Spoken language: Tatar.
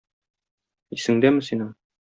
Исеңдәме синең?